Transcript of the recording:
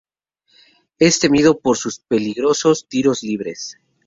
Es temido por sus peligrosos tiros libres.